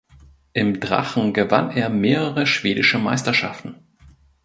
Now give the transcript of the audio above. Im Drachen gewann er mehrere schwedische Meisterschaften.